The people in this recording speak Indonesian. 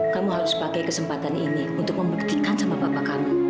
kamu harus pakai kesempatan ini untuk membuktikan sama bapak kamu